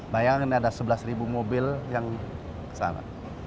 bayangkan ada sebelas mobil yang kesana